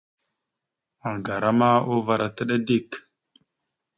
Agara ma uvar ataɗá dik.